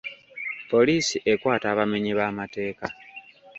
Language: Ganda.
Poliisi ekwata abamenyi b'amateeka.